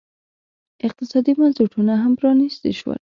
اقتصادي بنسټونه هم پرانیستي شول.